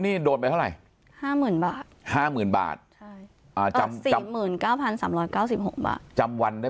นี่โดนไปเท่าไหร่๕๐๐๐บาท๕๐๐๐บาทจำ๔๙๓๙๖บาทจำวันได้